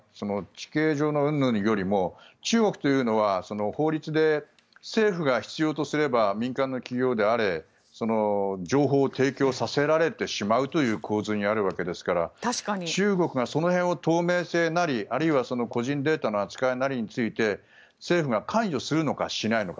地形上のうんぬんよりも中国というのは法律で政府が必要とすれば民間の企業であれ情報を提供させられてしまうという構図にあるわけですから中国がその辺を透明性なりあるいは個人データの扱いなりについて政府が関与するのか、しないのか。